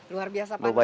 luar biasa panasnya ya